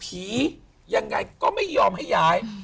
ยังไงก็ไม่ยอมให้ย้าย